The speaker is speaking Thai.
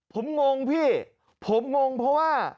ผมงงพี่ผมงงเพราะว่า